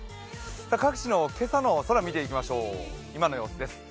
各地の今朝の空、見ていきましょう今の様子です。